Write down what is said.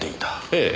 ええ。